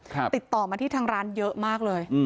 ติดต่อมาที่ทางร้านเยอะมากเลยอืม